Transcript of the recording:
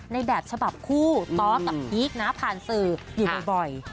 ในแบบฉบับคู่ต๊อกกับพีคนะผ่านสื่ออยู่บ่อย